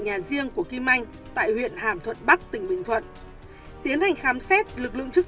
nhà riêng của kim anh tại huyện hàm thuận bắc tỉnh bình thuận tiến hành khám xét lực lượng chức